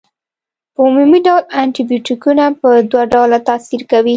په عمومي ډول انټي بیوټیکونه په دوه ډوله تاثیر کوي.